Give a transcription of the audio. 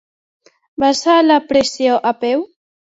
Vas a la presó a peu?